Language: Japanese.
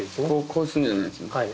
こうするんじゃないんですね。